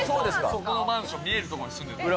そこのマンション、見える所に住んでました。